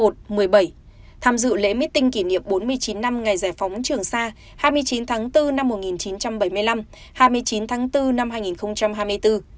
dk một một mươi bảy tham dự lễ mít tinh kỷ niệm bốn mươi chín năm ngày giải phóng trường sa hai mươi chín tháng bốn năm một nghìn chín trăm bảy mươi năm hai mươi chín tháng bốn năm hai nghìn hai mươi bốn